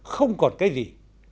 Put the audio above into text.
không còn cái gì